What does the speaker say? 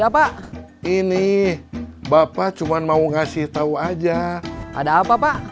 bisa jadi apa